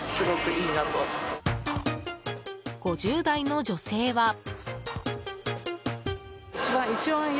５０代の女性は。